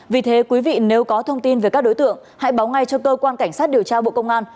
vì thế quý vị nếu có thông tin về các đối tượng hãy báo ngay cho cơ quan cảnh sát điều tra bộ công an